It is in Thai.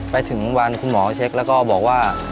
ไปถึงวันคุณหมอเช็คแล้วก็บอกว่า